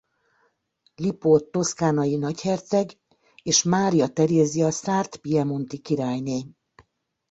Lipót toszkánai nagyherceg és Mária Terézia szárd–piemonti királyné.